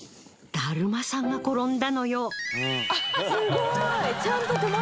だるまさんが転んだ！